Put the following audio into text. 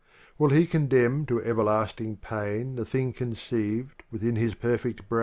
Will He condemn to everlasting pain The thing conceived within His perfect brain